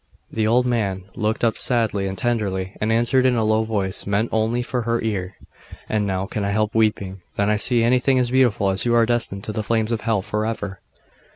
The old man looked up sadly and tenderly, and answered in a low voice, meant only for her ear 'And how can I help weeping, when I see anything as beautiful as you are destined to the flames of hell for ever?